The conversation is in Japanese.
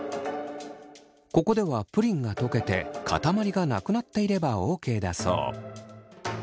ここではプリンが溶けてかたまりがなくなっていればＯＫだそう。